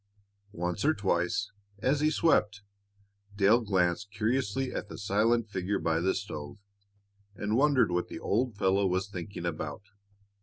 Once or twice, as he swept, Dale glanced curiously at the silent figure by the stove and wondered what the old fellow was thinking about.